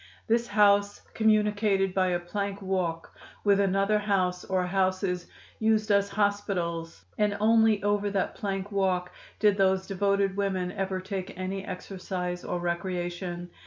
This house communicated by a plank walk with another house, or houses, used as hospitals, and only over that plank walk did those devoted women ever take any exercise or recreation.